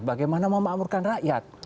bagaimana memamurkan rakyat